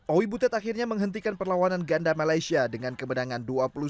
owi butet akhirnya menghentikan perlawanan ganda malaysia dengan kemenangan dua puluh satu dua belas